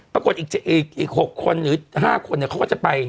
ปรากฏอีก๖คนหรือ๕คนเขาก็จะไป